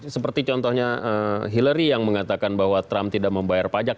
seperti contohnya hillary yang mengatakan bahwa trump tidak membayar pajak